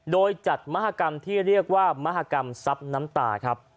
โดยจัดมหากรรมที่เรียกว่ามหากรรมซับน้ำตาครับ